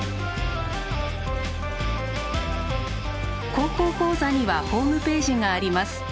「高校講座」にはホームページがあります。